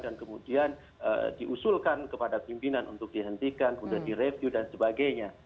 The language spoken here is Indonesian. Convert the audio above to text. dan kemudian diusulkan kepada pimpinan untuk dihentikan kemudian direview dan sebagainya